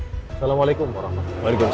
assalamualaikum pak rahman waalaikumsalam